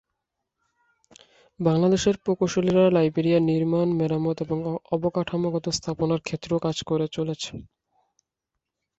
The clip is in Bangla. বাংলাদেশের প্রকৌশলীরা লাইবেরিয়ায় নির্মাণ, মেরামত এবং অবকাঠামোগত স্থাপনার ক্ষেত্রেও কাজ করে চলেছে।